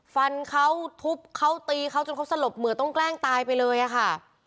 ฟันเขาทุบเขาตีเขาจนเขาสลบเหมือนต้องแกล้งตายไปเลยอะค่ะ